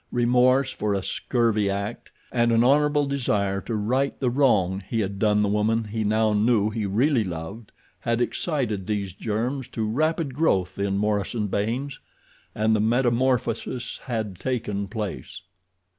Remorse for a scurvy act, and an honorable desire to right the wrong he had done the woman he now knew he really loved had excited these germs to rapid growth in Morison Baynes—and the metamorphosis had taken place.